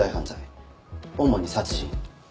主に殺人。